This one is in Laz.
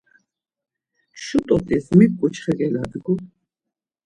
Şu t̆ot̆is mik ǩuçxe geladgu?